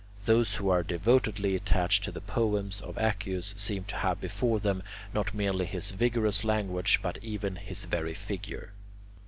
Those who are devotedly attached to the poems of Accius seem to have before them not merely his vigorous language but even his very figure.